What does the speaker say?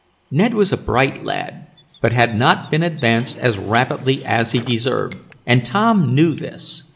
Ned was a bright lad, but had not been advanced as rapidly as he deserved, and Tom knew this.